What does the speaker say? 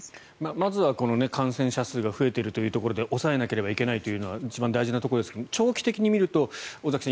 まずは感染者数が増えているというところで抑えなければいけないというのは一番大事なところですが長期的に見ると尾崎さん